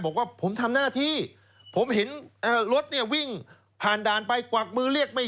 บอกว่าผมทำหน้าที่ผมเห็นรถเนี่ยวิ่งผ่านด่านไปกวักมือเรียกไม่